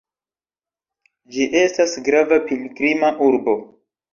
Ĝi estas grava pilgrima urbo.